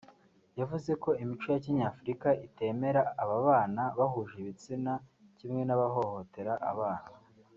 yavuze ko imico ya kinyafurika itemera ababana bahuje ibitsina kimwe n’abahohotera abana